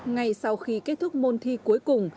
ngay sau khi kết thúc môn thi cuối cùng